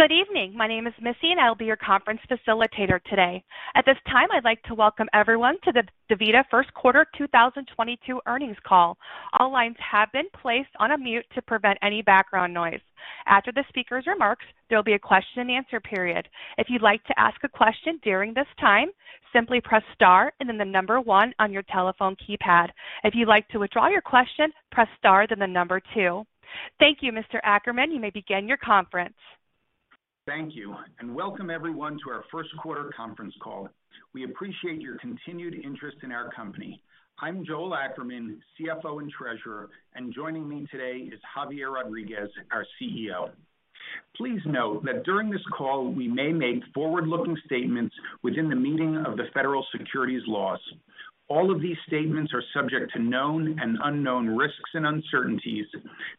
Good evening. My name is Missy, and I'll be your conference facilitator today. At this time, I'd like to welcome everyone to the DaVita First Quarter 2022 earnings call. All lines have been placed on mute to prevent any background noise. After the speaker's remarks, there'll be a question and answer period. If you'd like to ask a question during this time, simply press star and then the number 1 on your telephone keypad. If you'd like to withdraw your question, press star, then the number two. Thank you, Mr. Ackerman. You may begin your conference. Thank you. Welcome everyone to our first quarter conference call. We appreciate your continued interest in our company. I'm Joel Ackerman, CFO and Treasurer, and joining me today is Javier Rodriguez, our CEO. Please note that during this call, we may make forward-looking statements within the meaning of the federal securities laws. All of these statements are subject to known and unknown risks and uncertainties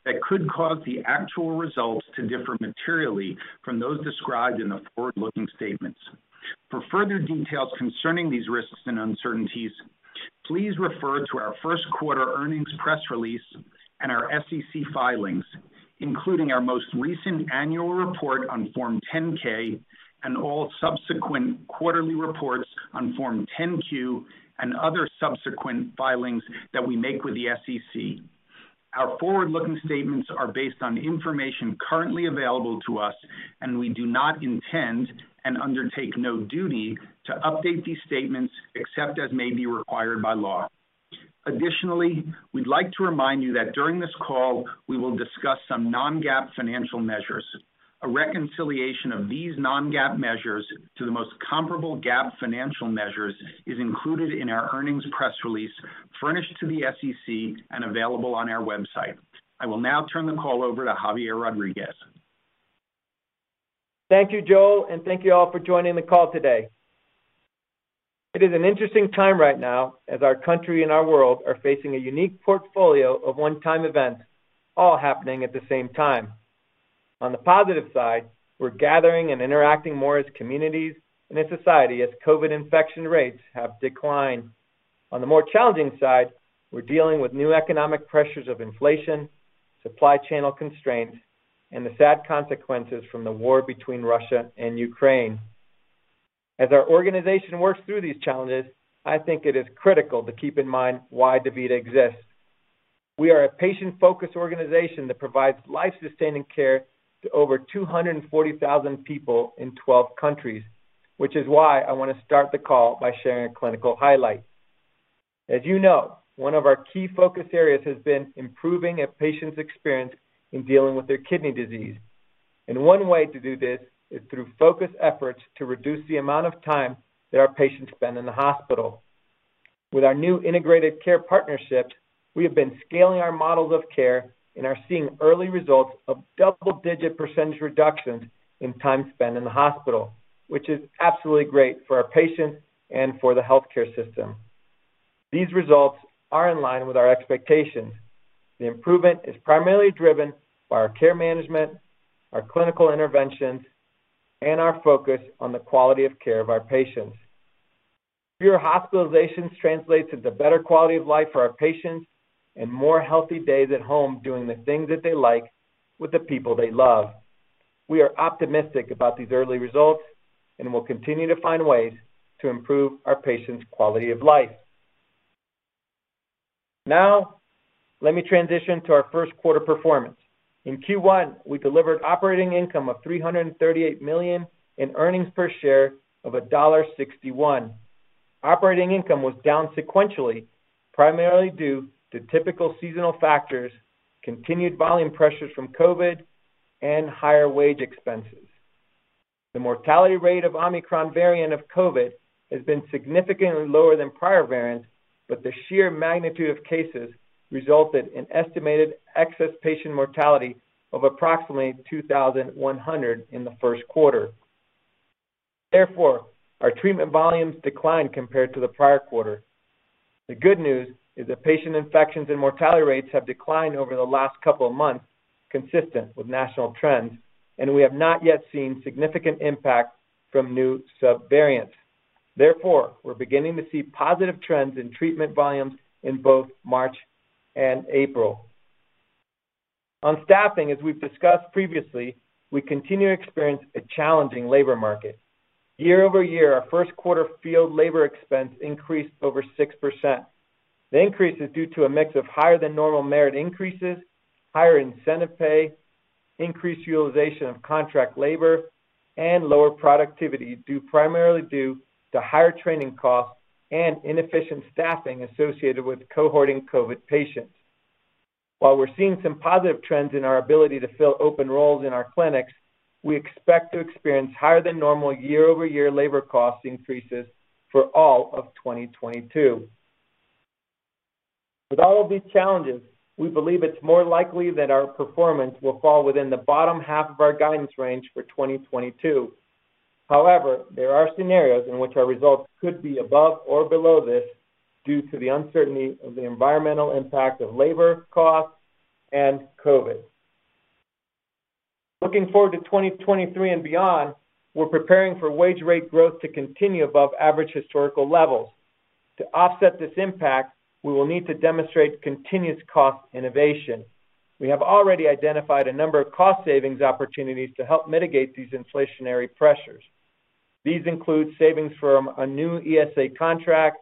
that could cause the actual results to differ materially from those described in the forward-looking statements. For further details concerning these risks and uncertainties, please refer to our first quarter earnings press release and our SEC filings, including our most recent annual report on Form 10-K and all subsequent quarterly reports on Form 10-Q and other subsequent filings that we make with the SEC. Our forward-looking statements are based on information currently available to us, and we do not intend, and undertake no duty, to update these statements except as may be required by law. Additionally, we'd like to remind you that during this call, we will discuss some non-GAAP financial measures. A reconciliation of these non-GAAP measures to the most comparable GAAP financial measures is included in our earnings press release furnished to the SEC and available on our website. I will now turn the call over to Javier Rodriguez. Thank you, Joel, and thank you all for joining the call today. It is an interesting time right now as our country and our world are facing a unique portfolio of one-time events all happening at the same time. On the positive side, we're gathering and interacting more as communities and as society as COVID infection rates have declined. On the more challenging side, we're dealing with new economic pressures of inflation, supply channel constraints, and the sad consequences from the war between Russia and Ukraine. As our organization works through these challenges, I think it is critical to keep in mind why DaVita exists. We are a patient-focused organization that provides life-sustaining care to over 240,000 people in 12 countries, which is why I wanna start the call by sharing a clinical highlight. As you know, one of our key focus areas has been improving a patient's experience in dealing with their kidney disease. One way to do this is through focused efforts to reduce the amount of time that our patients spend in the hospital. With our new integrated care partnerships, we have been scaling our models of care and are seeing early results of double-digit % reductions in time spent in the hospital, which is absolutely great for our patients and for the healthcare system. These results are in line with our expectations. The improvement is primarily driven by our care management, our clinical interventions, and our focus on the quality of care of our patients. Fewer hospitalizations translates into better quality of life for our patients and more healthy days at home doing the things that they like with the people they love. We are optimistic about these early results and will continue to find ways to improve our patients' quality of life. Now, let me transition to our first quarter performance. In Q1, we delivered operating income of $338 million and earnings per share of $1.61. Operating income was down sequentially, primarily due to typical seasonal factors, continued volume pressures from COVID, and higher wage expenses. The mortality rate of Omicron variant of COVID has been significantly lower than prior variants, but the sheer magnitude of cases resulted in estimated excess patient mortality of approximately 2,100 in the first quarter. Therefore, our treatment volumes declined compared to the prior quarter. The good news is that patient infections and mortality rates have declined over the last couple of months, consistent with national trends, and we have not yet seen significant impact from new subvariants. Therefore, we're beginning to see positive trends in treatment volumes in both March and April. On staffing, as we've discussed previously, we continue to experience a challenging labor market. Year-over-year, our first quarter field labor expense increased over 6%. The increase is due to a mix of higher than normal merit increases, higher incentive pay, increased utilization of contract labor, and lower productivity, due primarily to higher training costs and inefficient staffing associated with cohorting COVID patients. While we're seeing some positive trends in our ability to fill open roles in our clinics, we expect to experience higher than normal year-over-year labor cost increases for all of 2022. With all of these challenges, we believe it's more likely that our performance will fall within the bottom half of our guidance range for 2022. However, there are scenarios in which our results could be above or below this due to the uncertainty of the environmental impact of labor costs and COVID. Looking forward to 2023 and beyond, we're preparing for wage rate growth to continue above average historical levels. To offset this impact, we will need to demonstrate continuous cost innovation. We have already identified a number of cost savings opportunities to help mitigate these inflationary pressures. These include savings from a new ESA contract,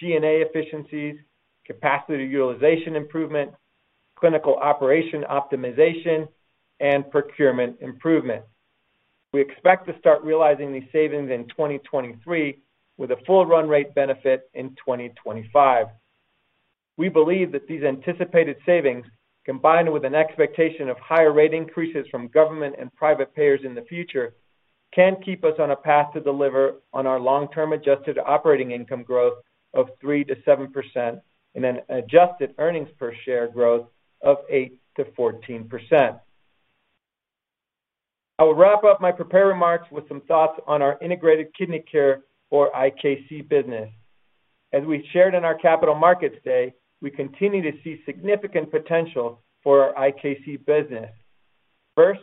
G&A efficiencies, capacity utilization improvement, clinical operation optimization, and procurement improvement. We expect to start realizing these savings in 2023, with a full run rate benefit in 2025. We believe that these anticipated savings, combined with an expectation of higher rate increases from government and private payers in the future, can keep us on a path to deliver on our long-term adjusted operating income growth of 3%-7% and an adjusted earnings per share growth of 8%-14%. I will wrap up my prepared remarks with some thoughts on our Integrated Kidney Care or IKC business. As we shared in our Capital Markets Day, we continue to see significant potential for our IKC business. First,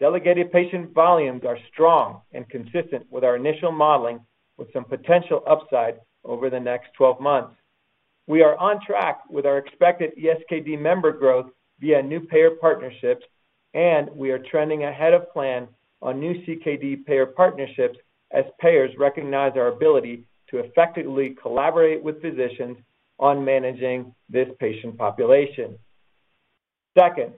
delegated patient volumes are strong and consistent with our initial modeling, with some potential upside over the next 12 months. We are on track with our expected ESKD member growth via new payer partnerships, and we are trending ahead of plan on new CKD payer partnerships as payers recognize our ability to effectively collaborate with physicians on managing this patient population. Second,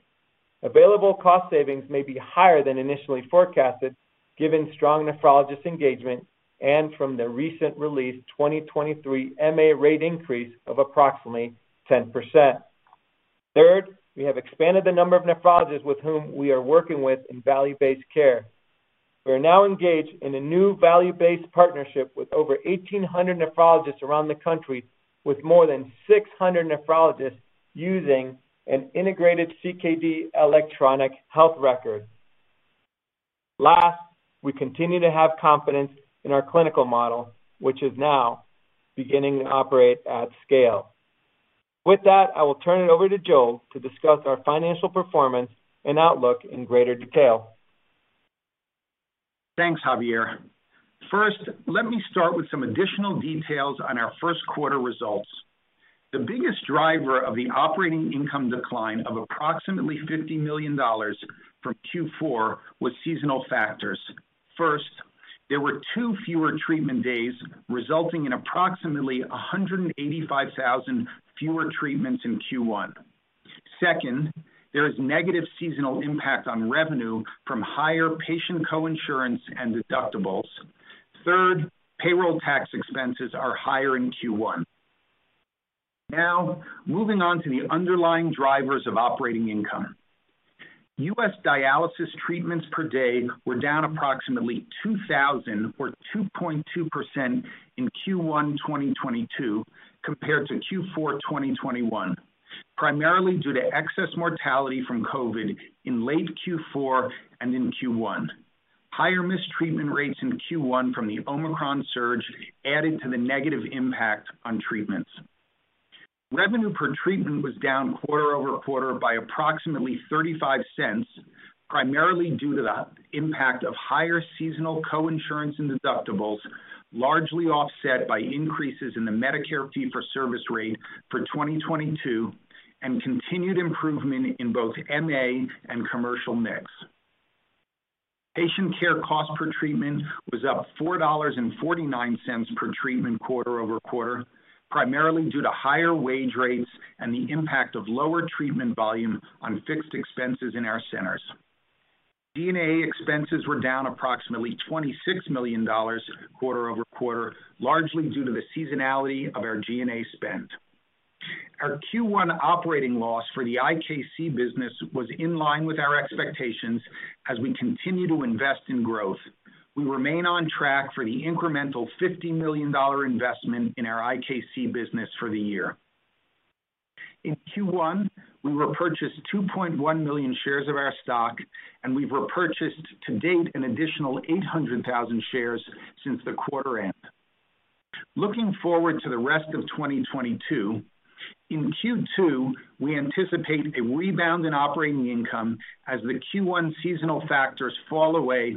available cost savings may be higher than initially forecasted, given strong nephrologist engagement and from the recently released 2023 MA rate increase of approximately 10%. Third, we have expanded the number of nephrologists with whom we are working in value-based care. We are now engaged in a new value-based partnership with over 1,800 nephrologists around the country, with more than 600 nephrologists using an integrated CKD electronic health record. Last, we continue to have confidence in our clinical model, which is now beginning to operate at scale. With that, I will turn it over to Joel to discuss our financial performance and outlook in greater detail. Thanks, Javier. First, let me start with some additional details on our first quarter results. The biggest driver of the operating income decline of approximately $50 million from Q4 was seasonal factors. First, there were two fewer treatment days, resulting in approximately 185,000 fewer treatments in Q1. Second, there is negative seasonal impact on revenue from higher patient coinsurance and deductibles. Third, payroll tax expenses are higher in Q1. Now, moving on to the underlying drivers of operating income. U.S. dialysis treatments per day were down approximately 2,000 or 2.2% in Q1 2022 compared to Q4 2021, primarily due to excess mortality from COVID in late Q4 and in Q1. Higher missed treatment rates in Q1 from the Omicron surge added to the negative impact on treatments. Revenue per treatment was down quarter-over-quarter by approximately $0.35, primarily due to the impact of higher seasonal coinsurance and deductibles, largely offset by increases in the Medicare fee-for-service rate for 2022 and continued improvement in both MA and commercial mix. Patient care cost per treatment was up $4.49 per treatment quarter-over-quarter, primarily due to higher wage rates and the impact of lower treatment volume on fixed expenses in our centers. G&A expenses were down approximately $26 million quarter-over-quarter, largely due to the seasonality of our G&A spend. Our Q1 operating loss for the IKC business was in line with our expectations as we continue to invest in growth. We remain on track for the incremental $50 million investment in our IKC business for the year. In Q1, we repurchased 2.1 million shares of our stock, and we've repurchased to date an additional 800,000 shares since the quarter end. Looking forward to the rest of 2022, in Q2, we anticipate a rebound in operating income as the Q1 seasonal factors fall away,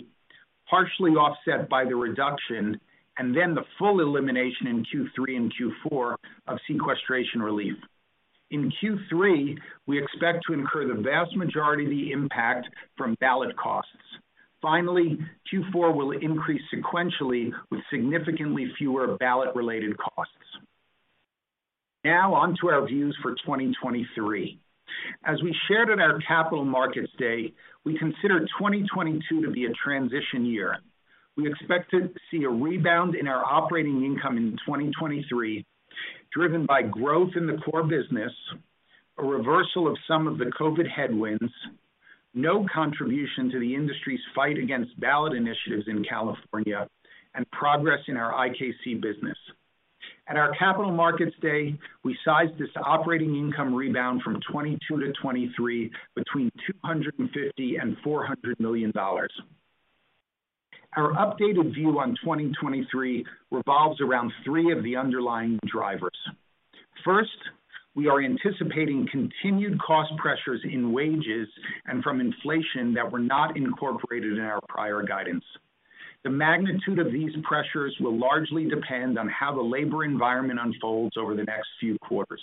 partially offset by the reduction and then the full elimination in Q3 and Q4 of sequestration relief. In Q3, we expect to incur the vast majority of the impact from ballot costs. Finally, Q4 will increase sequentially with significantly fewer ballot-related costs. Now on to our views for 2023. As we shared at our Capital Markets Day, we consider 2022 to be a transition year. We expect to see a rebound in our operating income in 2023, driven by growth in the core business, a reversal of some of the COVID headwinds, no contribution to the industry's fight against ballot initiatives in California, and progress in our IKC business. At our Capital Markets Day, we sized this operating income rebound from 2022-2023 between $250 million and $400 million. Our updated view on 2023 revolves around three of the underlying drivers. First, we are anticipating continued cost pressures in wages and from inflation that were not incorporated in our prior guidance. The magnitude of these pressures will largely depend on how the labor environment unfolds over the next few quarters.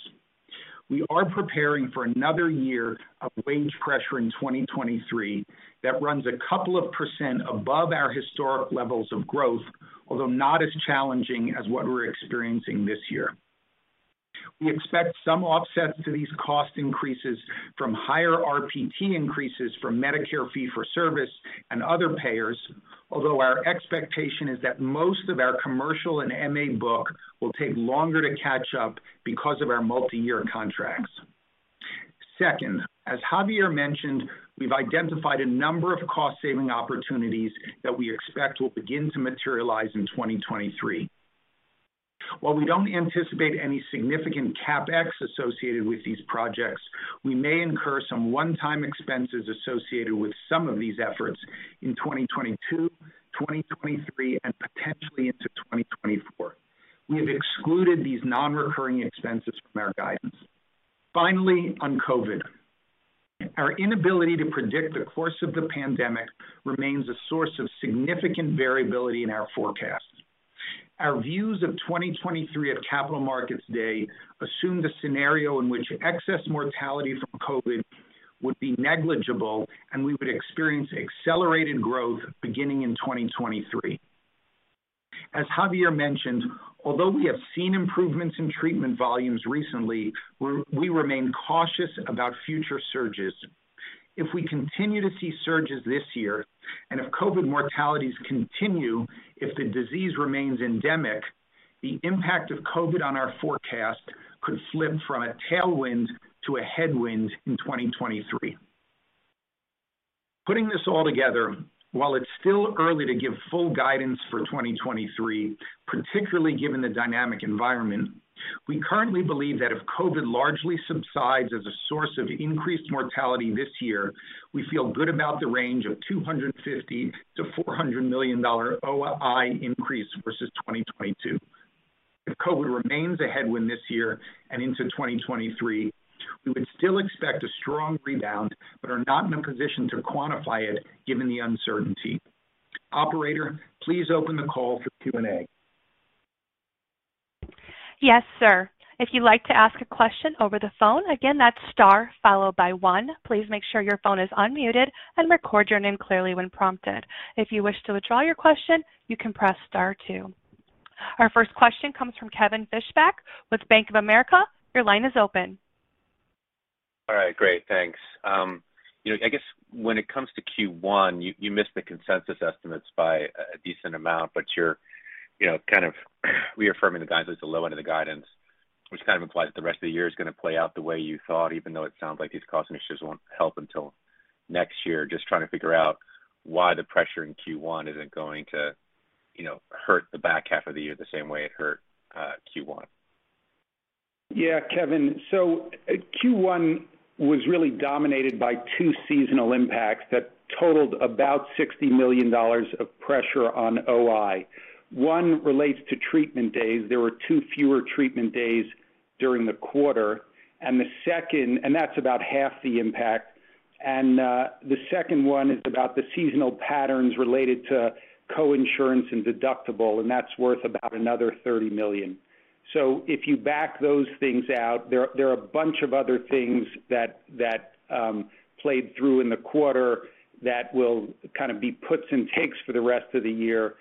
We are preparing for another year of wage pressure in 2023 that runs a couple of % above our historic levels of growth, although not as challenging as what we're experiencing this year. We expect some offsets to these cost increases from higher RPT increases from Medicare fee-for-service and other payers, although our expectation is that most of our commercial and MA book will take longer to catch up because of our multi-year contracts. Second, as Javier mentioned, we've identified a number of cost-saving opportunities that we expect will begin to materialize in 2023. While we don't anticipate any significant CapEx associated with these projects, we may incur some one-time expenses associated with some of these efforts in 2022, 2023, and potentially into 2024. We have excluded these non-recurring expenses from our guidance. Finally, on COVID. Our inability to predict the course of the pandemic remains a source of significant variability in our forecast. Our views of 2023 at Capital Markets Day assume the scenario in which excess mortality from COVID would be negligible, and we would experience accelerated growth beginning in 2023. As Javier mentioned, although we have seen improvements in treatment volumes recently, we remain cautious about future surges. If we continue to see surges this year, and if COVID mortalities continue, if the disease remains endemic, the impact of COVID on our forecast could flip from a tailwind to a headwind in 2023. Putting this all together, while it's still early to give full guidance for 2023, particularly given the dynamic environment, we currently believe that if COVID largely subsides as a source of increased mortality this year, we feel good about the range of $250 million-$400 million OI increase versus 2022. If COVID remains a headwind this year and into 2023, we would still expect a strong rebound, but are not in a position to quantify it given the uncertainty. Operator, please open the call for Q&A. Yes, sir. If you'd like to ask a question over the phone, again, that's Star followed by one. Please make sure your phone is unmuted and record your name clearly when prompted. If you wish to withdraw your question, you can press Star two. Our first question comes from Kevin Fischbeck with Bank of America. Your line is open. All right, great. Thanks. You know, I guess when it comes to Q1, you missed the consensus estimates by a decent amount, but you're you know kind of reaffirming the guidance at the low end of the guidance, which kind of implies that the rest of the year is gonna play out the way you thought, even though it sounds like these cost initiatives won't help until next year. Just trying to figure out why the pressure in Q1 isn't going to you know hurt the back half of the year the same way it hurt Q1. Yeah, Kevin. Q1 was really dominated by two seasonal impacts that totaled about $60 million of pressure on OI. One relates to treatment days. There were two fewer treatment days during the quarter, and that's about half the impact. The second one is about the seasonal patterns related to co-insurance and deductible, and that's worth about another $30 million. If you back those things out, there are a bunch of other things that played through in the quarter that will kind of be puts and takes for the rest of the year.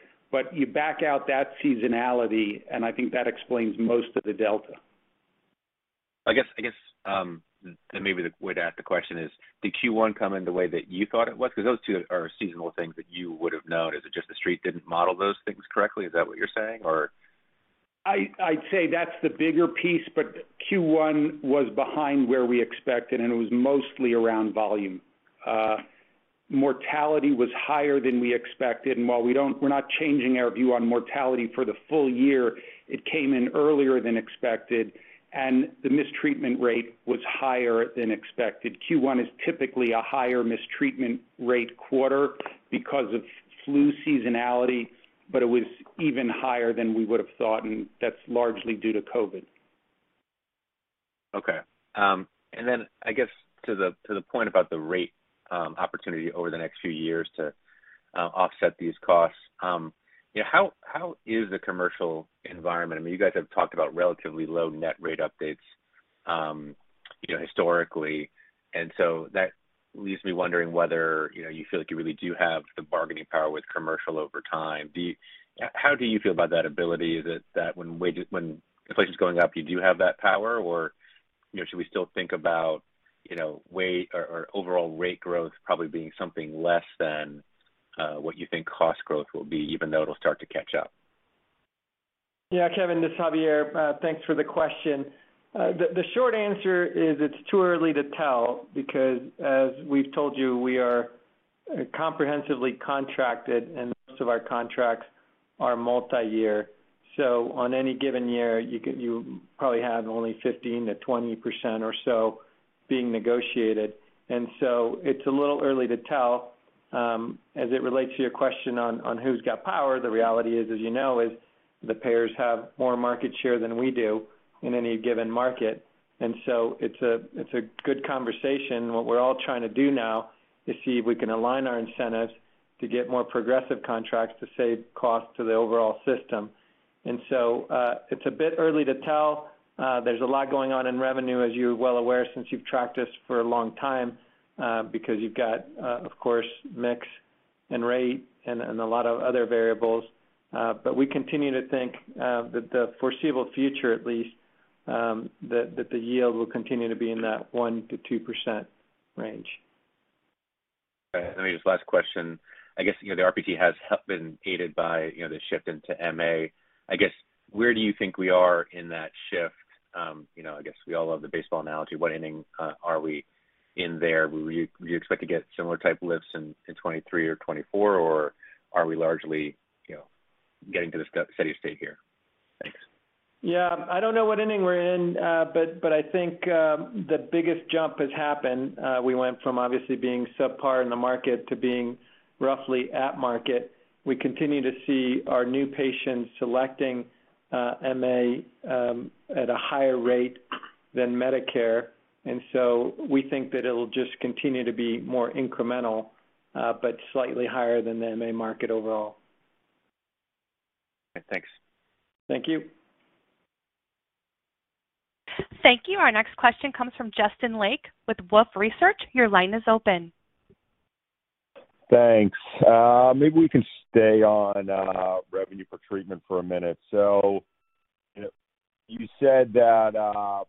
You back out that seasonality, and I think that explains most of the delta. I guess, then maybe the way to ask the question is, did Q1 come in the way that you thought it was? 'Cause those two are seasonal things that you would have known. Is it just The Street didn't model those things correctly? Is that what you're saying or? I'd say that's the bigger piece, but Q1 was behind where we expected, and it was mostly around volume. Mortality was higher than we expected, and while we're not changing our view on mortality for the full year, it came in earlier than expected, and the missed treatment rate was higher than expected. Q1 is typically a higher missed treatment rate quarter because of flu seasonality, but it was even higher than we would have thought, and that's largely due to COVID. Okay. I guess to the point about the rate opportunity over the next few years to offset these costs, you know, how is the commercial environment? I mean, you guys have talked about relatively low net rate updates, you know, historically. That leaves me wondering whether, you know, you feel like you really do have the bargaining power with commercial over time. How do you feel about that ability that when inflation is going up, you do have that power or, you know, should we still think about, you know, wage or overall rate growth probably being something less than what you think cost growth will be, even though it'll start to catch up? Kevin, this is Javier. Thanks for the question. The short answer is it's too early to tell because as we've told you, we are comprehensively contracted, and most of our contracts are multi-year. On any given year, you probably have only 15%-20% or so being negotiated. It's a little early to tell. As it relates to your question on who's got power, the reality is, as you know, the payers have more market share than we do in any given market. It's a good conversation. What we're all trying to do now is see if we can align our incentives to get more progressive contracts to save costs to the overall system. It's a bit early to tell. There's a lot going on in revenue, as you're well aware, since you've tracked us for a long time, because you've got, of course, mix and rate and a lot of other variables. We continue to think that the foreseeable future at least, that the yield will continue to be in that 1%-2% range. All right. Let me just last question. I guess, you know, the RPT has been aided by, you know, the shift into MA. I guess, where do you think we are in that shift? You know, I guess we all love the baseball analogy. What inning are we in there? Do you expect to get similar type lifts in 2023 or 2024, or are we largely, you know, getting to the steady state here? Thanks. Yeah. I don't know what inning we're in, but I think the biggest jump has happened. We went from obviously being subpar in the market to being roughly at market. We continue to see our new patients selecting MA at a higher rate than Medicare, and so we think that it'll just continue to be more incremental, but slightly higher than the MA market overall. Okay, thanks. Thank you. Thank you. Our next question comes from Justin Lake with Wolfe Research. Your line is open. Thanks. Maybe we can stay on revenue per treatment for a minute. You said that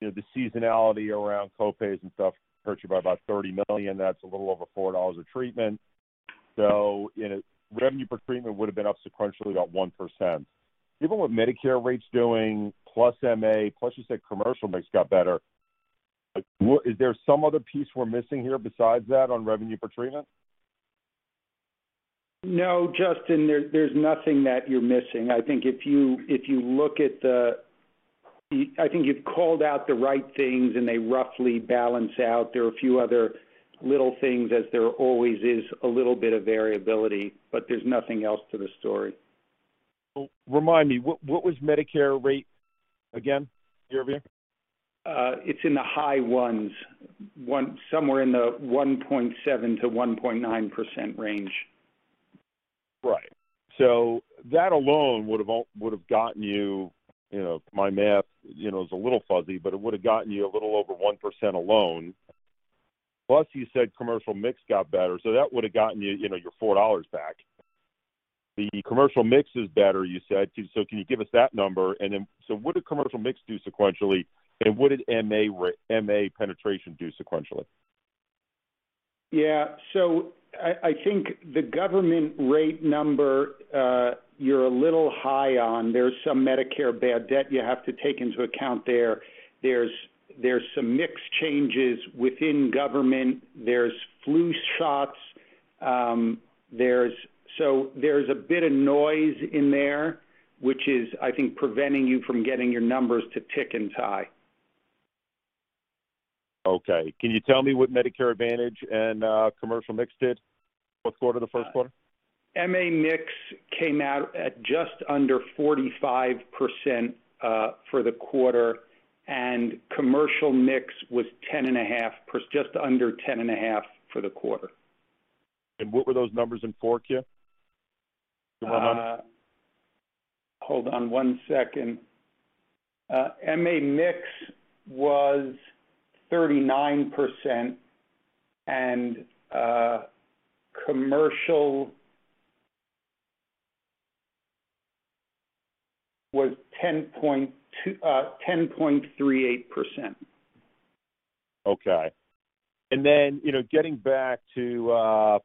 you know, the seasonality around co-pays and stuff hurt you by about $30 million. That's a little over $4 a treatment. You know, revenue per treatment would've been up sequentially about 1%. Given what Medicare rate's doing plus MA plus you said commercial mix got better, like, what is there some other piece we're missing here besides that on revenue per treatment? No, Justin, there's nothing that you're missing. I think you've called out the right things, and they roughly balance out. There are a few other little things as there always is a little bit of variability, but there's nothing else to the story. Remind me, what was Medicare rate again, year-over-year? It's in the high ones. Somewhere in the 1.7%-1.9% range. Right. That alone would've gotten you know, my math, you know, is a little fuzzy, but it would've gotten you a little over 1% alone. Plus, you said commercial mix got better, so that would've gotten you know, your $4 back. The commercial mix is better, you said. Can you give us that number? What did commercial mix do sequentially, and what did MA penetration do sequentially? Yeah. I think the government rate number, you're a little high on. There's some Medicare bad debt you have to take into account there. There's some mix changes within government. There's flu shots. There's a bit of noise in there, which is, I think, preventing you from getting your numbers to tick and tie. Okay. Can you tell me what Medicare Advantage and commercial mix did? What quarter, the first quarter? MA mix came out at just under 45% for the quarter, and commercial mix was just under 10.5% for the quarter. What were those numbers in 4Q? Do you have them? Hold on one second. MA mix was 39%, and commercial was 10.38%. Okay. You know, getting back to, you know,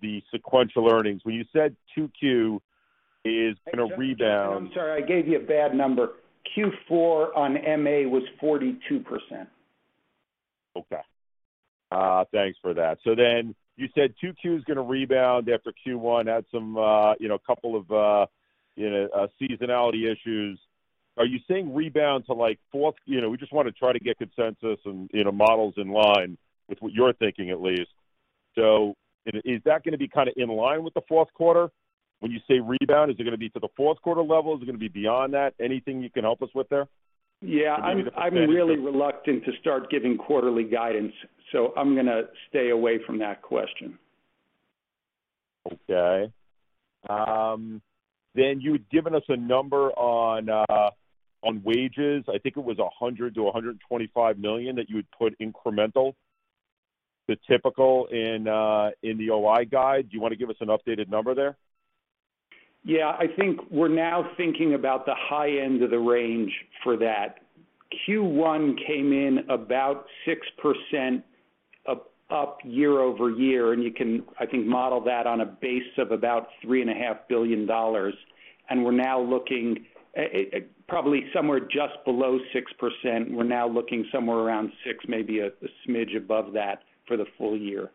the sequential earnings, when you said 2Q is gonna rebound. I'm sorry, I gave you a bad number. Q4 on MA was 42%. Okay. Thanks for that. You said 2Q is gonna rebound after Q1, had some, you know, couple of, you know, seasonality issues. Are you saying rebound to, like, fourth? You know, we just wanna try to get consensus and, you know, models in line with what you're thinking at least. Is that gonna be kinda in line with the fourth quarter? When you say rebound, is it gonna be to the fourth quarter level? Is it gonna be beyond that? Anything you can help us with there? Yeah. Give me the percentage. I'm really reluctant to start giving quarterly guidance, so I'm gonna stay away from that question. Okay. You'd given us a number on wages. I think it was $100 million-$125 million that you had put incremental to typical in the OI guide. Do you wanna give us an updated number there? Yeah. I think we're now thinking about the high end of the range for that. Q1 came in about 6% up year-over-year, and you can, I think, model that on a base of about $3.5 billion. We're now looking at probably somewhere just below 6%. We're now looking somewhere around six, maybe a smidge above that for the full year.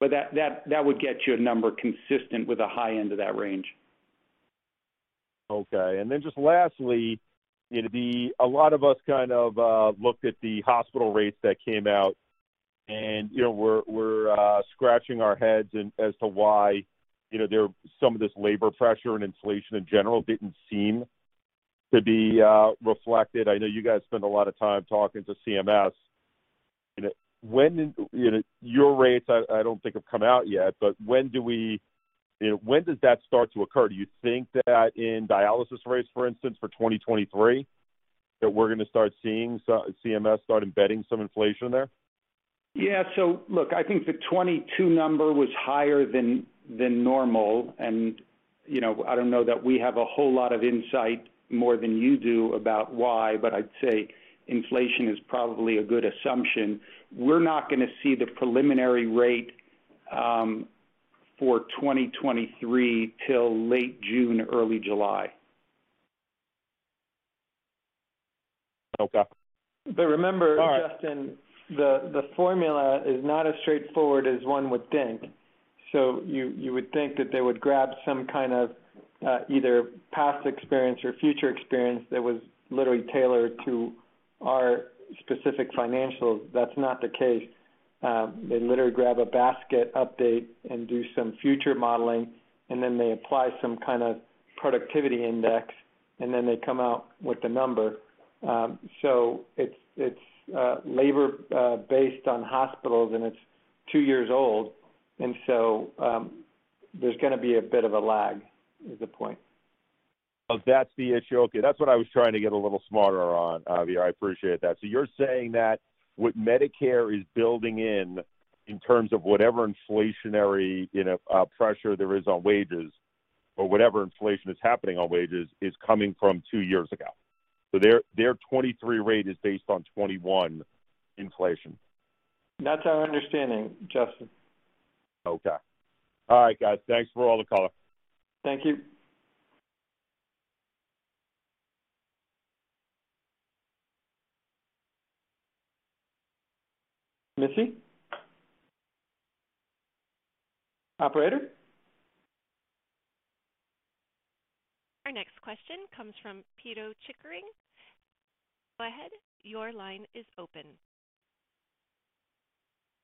That would get you a number consistent with the high end of that range. Okay. Just lastly, you know, a lot of us kind of looked at the hospital rates that came out and, you know, we're scratching our heads as to why, you know, some of this labor pressure and inflation in general didn't seem to be reflected. I know you guys spend a lot of time talking to CMS. You know, your rates I don't think have come out yet, but when do we, you know, when does that start to occur? Do you think that in dialysis rates, for instance, for 2023, that we're gonna start seeing CMS start embedding some inflation there? Yeah. Look, I think the 22 number was higher than normal. You know, I don't know that we have a whole lot of insight more than you do about why, but I'd say inflation is probably a good assumption. We're not gonna see the preliminary rate for 2023 till late June, early July. Okay. Remember- All right. Justin, the formula is not as straightforward as one would think. You would think that they would grab some kind of either past experience or future experience that was literally tailored to our specific financials. That's not the case. They literally grab a basket update and do some future modeling, and then they apply some kind of productivity index, and then they come out with the number. It's labor based on hospitals, and it's two years old, so there's gonna be a bit of a lag, is the point. Oh, that's the issue. Okay. That's what I was trying to get a little smarter on, Javier. I appreciate that. You're saying that what Medicare is building in terms of whatever inflationary, you know, pressure there is on wages or whatever inflation is happening on wages, is coming from two years ago. Their 2023 rate is based on 2021 inflation. That's our understanding, Justin. Okay. All right, guys. Thanks for all the color. Thank you. Missy? Operator? Our next question comes from Pito Chickering. Go ahead, your line is open.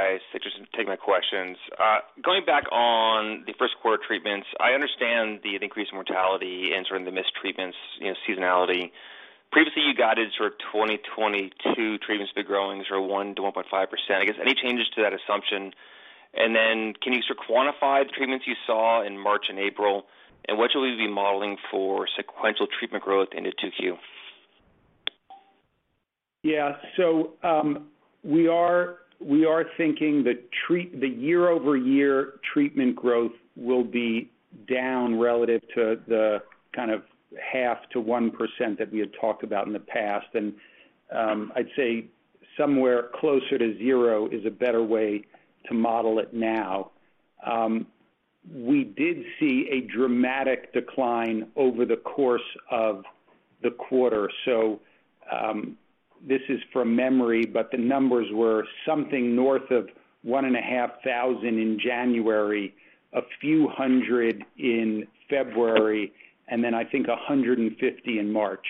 I was interested in taking the questions. Going back on the first quarter treatments, I understand the increased mortality and sort of the missed treatments, you know, seasonality. Previously, you guided sort of 2022 treatments to be growing sort of 1%-1.5%. I guess, any changes to that assumption? Then can you sort of quantify the treatments you saw in March and April, and what should we be modeling for sequential treatment growth into 2Q? Yeah. We are thinking the year-over-year treatment growth will be down relative to the kind of 0.5%-1% that we had talked about in the past. I'd say somewhere closer to zero is a better way to model it now. We did see a dramatic decline over the course of the quarter. This is from memory, but the numbers were something north of 1,500 in January, a few hundred in February, and then I think 150 in March.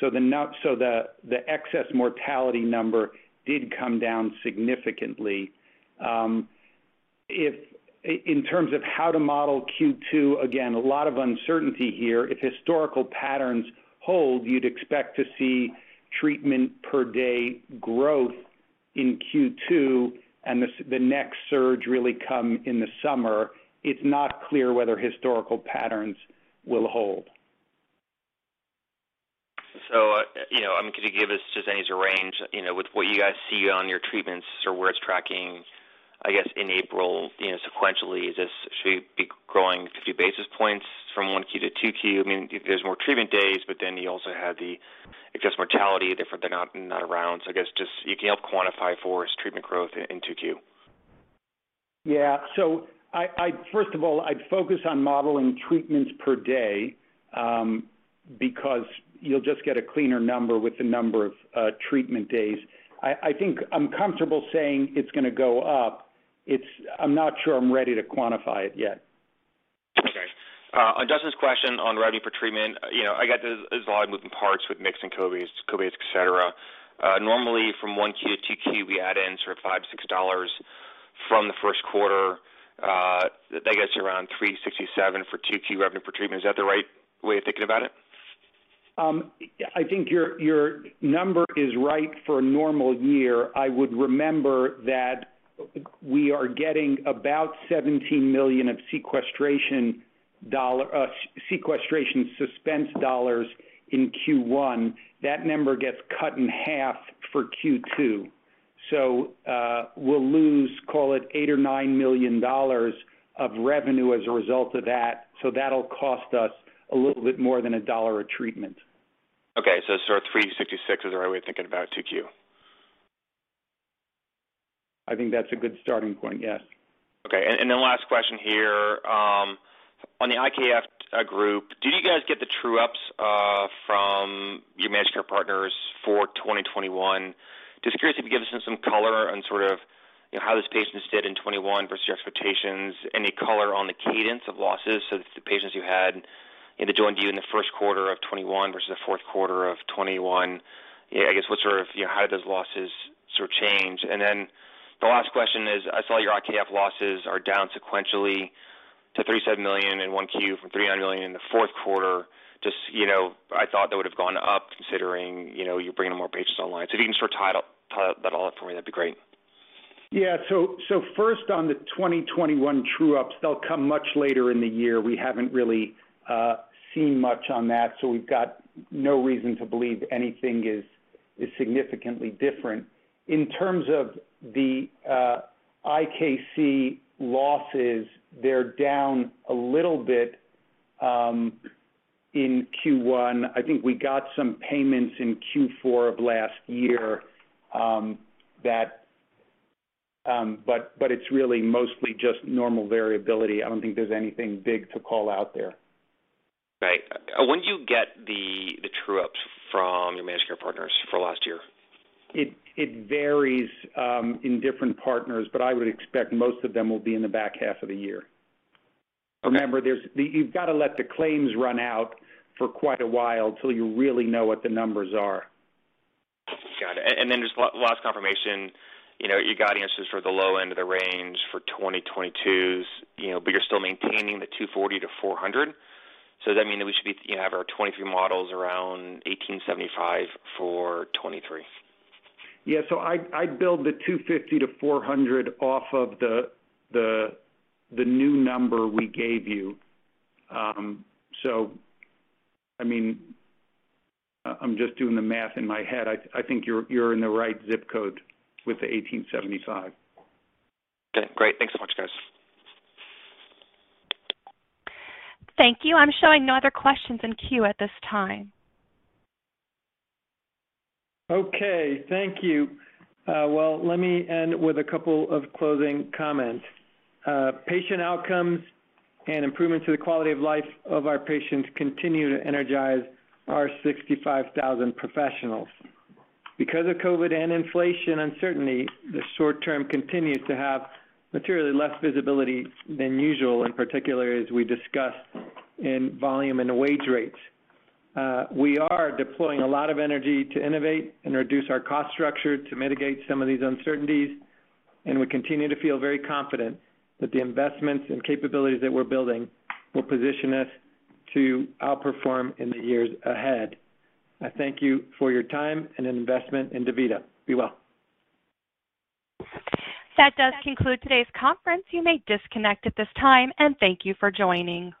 The excess mortality number did come down significantly. In terms of how to model Q2, again, a lot of uncertainty here. If historical patterns hold, you'd expect to see treatment per day growth in Q2 and the next surge really come in the summer. It's not clear whether historical patterns will hold. You know, I'm gonna give us just any range, you know, with what you guys see on your treatments or where it's tracking, I guess, in April, you know, sequentially, is this should be growing 50 basis points from 1Q-2Q? I mean, there's more treatment days, but then you also have the excess mortality different than normal, not around. I guess just you can help quantify for us treatment growth in 2Q. Yeah. I first of all, I'd focus on modeling treatments per day, because you'll just get a cleaner number with the number of treatment days. I think I'm comfortable saying it's gonna go up. I'm not sure I'm ready to quantify it yet. Okay. On Justin's question on revenue for treatment, you know, this is a lot of moving parts with mix and COVID, et cetera. Normally from 1Q to 2Q, we add in sort of $5-$6 from the first quarter. That gets you around $367 for 2Q revenue per treatment. Is that the right way of thinking about it? I think your number is right for a normal year. I would remember that we are getting about $17 million of sequestration suspense dollars in Q1. That number gets cut in half for Q2. We'll lose, call it $8 or $9 million dollars of revenue as a result of that. That'll cost us a little bit more than $1 a treatment. Okay. Sort of 366 is the right way of thinking about 2Q. I think that's a good starting point, yes. Okay. Then last question here. On the IKC group, do you guys get the true ups from your managed care partners for 2021. Just curious if you can give us some color on sort of, you know, how those patients did in 2021 versus your expectations. Any color on the cadence of losses. The patients you had, either joined you in the first quarter of 2021 versus the fourth quarter of 2021. Yeah, I guess what sort of, you know, how did those losses sort of change? Then the last question is, I saw your IKC losses are down sequentially to $37 million in 1Q from $300 million in the fourth quarter. You know, I thought that would have gone up considering, you know, you're bringing more patients online. If you can sort of tie that all up for me, that'd be great. Yeah. First on the 2021 true ups, they'll come much later in the year. We haven't really seen much on that, so we've got no reason to believe anything is significantly different. In terms of the IKC losses, they're down a little bit in Q1. I think we got some payments in Q4 of last year, but it's really mostly just normal variability. I don't think there's anything big to call out there. Right. When do you get the true ups from your managed care partners for last year? It varies in different partners, but I would expect most of them will be in the back half of the year. Remember, you've got to let the claims run out for quite a while till you really know what the numbers are. Got it. Just last confirmation. You know, you got answers for the low end of the range for 2022s, you know, but you're still maintaining the $240-$400. Does that mean that we should be, you know, have our 2023 models around $1,875 for 2023? Yeah. I'd build the $250-$400 off of the new number we gave you. I mean, I'm just doing the math in my head. I think you're in the right zip code with the $1,875. Okay, great. Thanks so much, guys. Thank you. I'm showing no other questions in queue at this time. Okay, thank you. Well, let me end with a couple of closing comments. Patient outcomes and improvements to the quality of life of our patients continue to energize our 65,000 professionals. Because of COVID and inflation uncertainty, the short term continues to have materially less visibility than usual, in particular, as we discussed in volume and wage rates. We are deploying a lot of energy to innovate and reduce our cost structure to mitigate some of these uncertainties, and we continue to feel very confident that the investments and capabilities that we're building will position us to outperform in the years ahead. I thank you for your time and investment in DaVita. Be well. That does conclude today's conference. You may disconnect at this time, and thank you for joining.